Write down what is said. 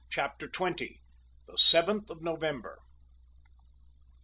CHAPTER TWENTY. THE SEVENTH OF NOVEMBER.